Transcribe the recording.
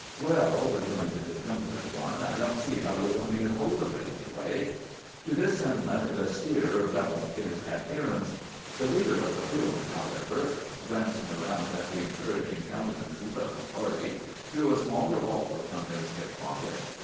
"'Well,' rejoined the discomfited one, 'I don't see how we're going to get hold of it, anyway.' "To this sentiment the steer bellowed his adherence. The leader of the wheelmen, however, glancing around at the encouraging countenances of his party, drew a small revolver from his hip pocket.